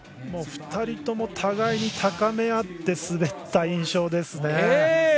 ２人とも互いに高め合って滑った印象ですね。